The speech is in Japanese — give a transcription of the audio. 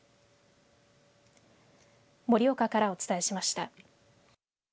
盛岡からお伝えしました。